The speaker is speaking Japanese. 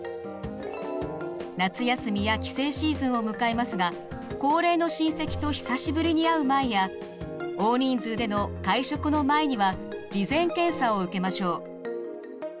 夏休みや帰省シーズンを迎えますが高齢の親戚と久しぶりに会う前や大人数での会食の前には事前検査を受けましょう。